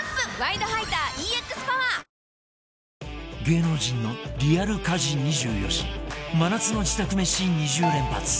芸能人のリアル家事２４時真夏の自宅めし２０連発！